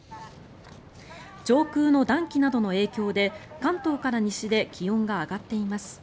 上空の暖気などの影響で関東から西で気温が上がっています。